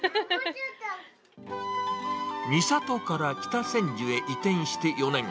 三郷から北千住へ移転して４年。